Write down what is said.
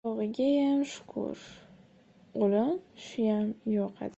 — Shu yog‘igayam shukur, ulim, shuyam yo‘q edi.